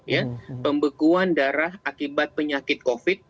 ya pembekuan darah akibat penyakit covid